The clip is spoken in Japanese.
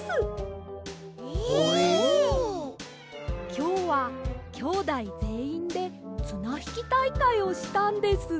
きょうはきょうだいぜんいんでつなひきたいかいをしたんです。